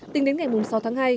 tính đến ngày sáu tháng hai